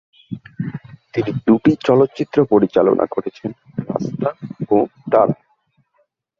তিনি দু'টি চলচ্চিত্র পরিচালনা করেছেন: "রাস্তা" ও "তারা"।